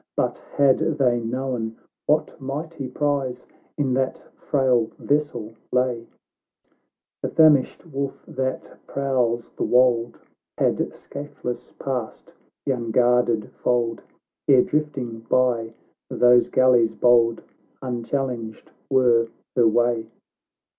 But, had they known what mighty prize In that frail vessel lay, The famished wolf that prowls the wold, Had scathless passed the unguarded fold, Ere, drifting by these galleys bold, Unchallenged were her way